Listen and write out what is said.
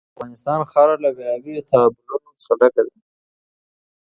د افغانستان خاوره له بېلابېلو تالابونو څخه ډکه ده.